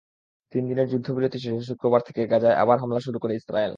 তিন দিনের যুদ্ধবিরতি শেষে শুক্রবার থেকে গাজায় আবার হামলা শুরু করে ইসরায়েল।